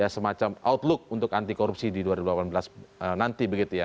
semacam outlook untuk anti korupsi di dua ribu delapan belas nanti begitu ya